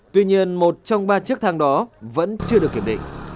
tuy nhiên một trong ba chiếc thang đó vẫn chưa được kiểm định